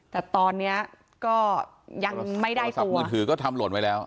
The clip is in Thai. แต่ตอนนี้ก็ยังไม่ได้โทรศัพท์มือถือก็ทำหล่นไว้แล้ว